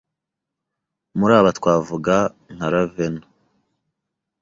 muri aba twavuga nka Raveena